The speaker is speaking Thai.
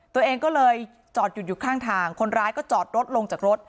ตัวเองก็เลยจอดหยุดอยู่ข้างทางคนร้ายก็จอดรถลงจากรถ